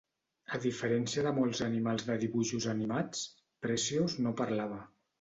A diferència de molts animals de dibuixos animats, Precious no parlava.